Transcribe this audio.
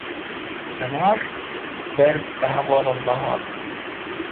Zinar ber bi hevalan ve hat.